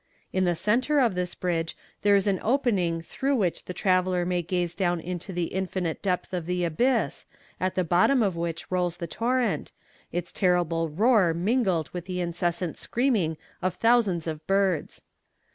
In the centre of this bridge there is an opening through which the traveller may gaze down into the infinite depth of the abyss, at the bottom of which rolls the torrent, its terrible roar mingled with the incessant screaming of thousands of birds.